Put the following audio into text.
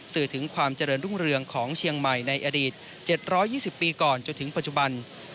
สื่อถึงความเจริญรุ่งเรืองของเชียงใหม่ในอดีต๗๒๐ปีก่อนจนถึงปัจจุบัน